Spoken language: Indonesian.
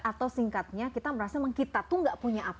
atau singkatnya kita merasa memang kita tuh gak punya apa